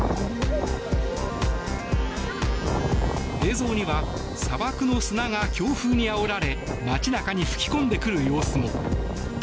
映像には砂漠の砂が強風にあおられ街中に吹き込んでくる様子も。